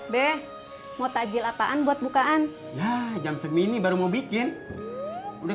bea mau tajil apaan buat bukaan jam segini baru mau bikin udah